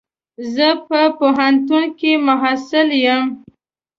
زه په پوهنتون کي محصل يم.